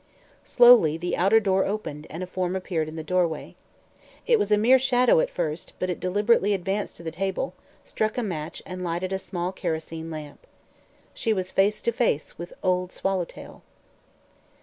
Slowly the outer door opened and a form appeared in the doorway. It was a mere shadow, at first, but it deliberately advanced to the table, struck a match and lighted a small kerosene lamp. She was face to face with Old Swallowtail.